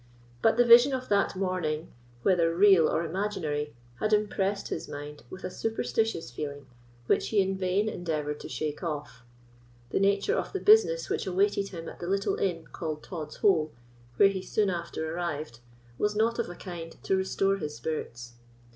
But the vision of that morning, whether real or imaginary, had impressed his mind with a superstitious feeling which he in vain endeavoured to shake off. The nature of the business which awaited him at the little inn, called Tod's Hole, where he soon after arrived, was not of a kind to restore his spirits.